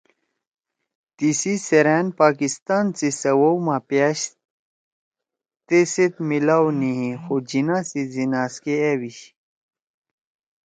تیِسی سیرأن پاکستان سی سوَؤ ما پأش تیسیت میلاؤ نی ہی خو جناح سی زیناز کے أ بیِشی